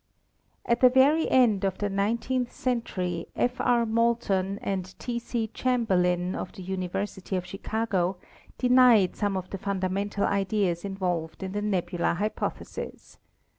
At the very end of the nineteenth century F. R. Moulton and T. C. Chamberlin, of the University of Chicago, de nied some of the fundamental ideas involved in the nebular hypothesis.